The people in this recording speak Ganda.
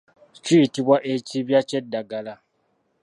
Kiyitibwa ekibya ky'eddagala.